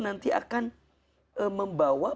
nanti akan membawa